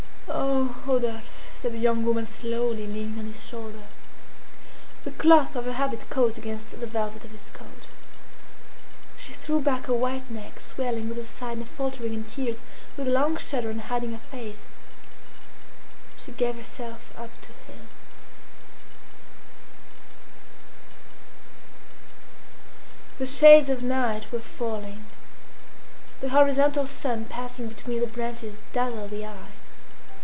"Oh, Rodolphe!" said the young woman slowly, leaning on his shoulder. The cloth of her habit caught against the velvet of his coat. She threw back her white neck, swelling with a sigh, and faltering, in tears, with a long shudder and hiding her face, she gave herself up to him The shades of night were falling; the horizontal sun passing between the branches dazzled the eyes.